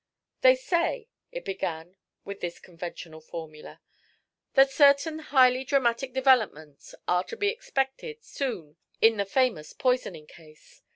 "They say" it began with this conventional formula "that certain highly dramatic developments are to be expected soon in the famous poisoning case.